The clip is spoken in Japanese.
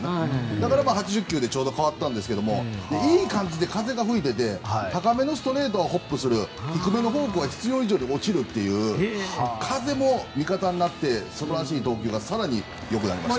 だから８０球でちょうど変わったんですがいい感じで風が吹いてて高めのストレートはホップする低めのフォークは必要以上に落ちるという風も味方になって素晴らしい投球が更によくなりました。